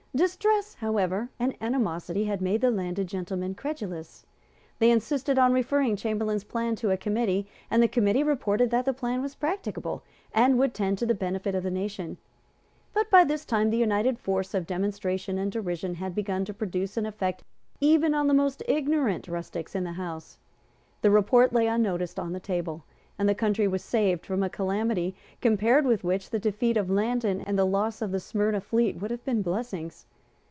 Distress, however, and animosity had made the landed gentlemen credulous. They insisted on referring Chamberlayne's plan to a committee; and the committee reported that the plan was practicable, and would tend to the benefit of the nation. But by this time the united force of demonstration and derision had begun to produce an effect even on the most ignorant rustics in the House. The report lay unnoticed on the table; and the country was saved from a calamity compared with which the defeat of Landen and the loss of the Smyrna fleet would have been blessings.